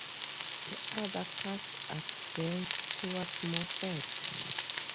The other cast a glance towards Moffat.